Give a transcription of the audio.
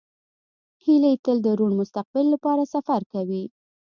هیلۍ تل د روڼ مستقبل لپاره سفر کوي